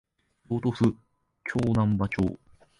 京都府京丹波町